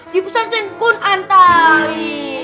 jibusan sin kun antari